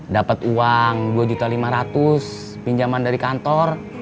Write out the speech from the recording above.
dapet uang dua lima ratus pinjaman dari kantor